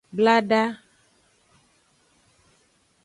Blada.